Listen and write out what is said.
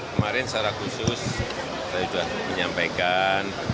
kemarin secara khusus saya sudah menyampaikan